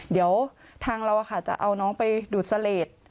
เดี๋ยวทางเราจะเอาน้องไปดูดเสลด